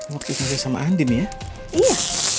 waktu sampai sama andin ya